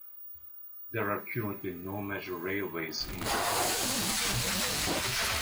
There are currently no major railways in Qatar.